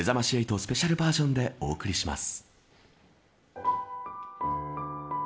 スペシャルバージョンでお送りします。